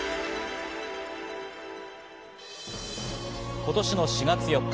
今年の４月４日。